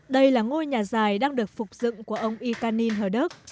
đây là ngôi nhà dài đang được phục dựng của ông ikanin hờ đức